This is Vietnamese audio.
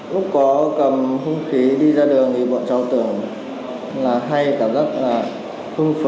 lúc có cầm không khí đi ra đường thì bọn cháu tưởng là hay cảm giác là hưng phấn